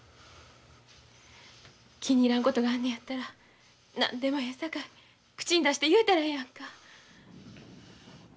気に入らんことがあるのやったら何でもええさかい口に出して言うたらええやんか。